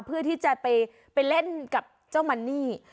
เพื่อที่จะไปเล่นกับเจ้ามันนี่